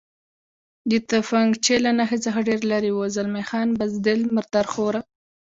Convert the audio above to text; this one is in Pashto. د تفنګچې له نښې څخه ډېر لرې و، زلمی خان: بزدل، مرادرخواره.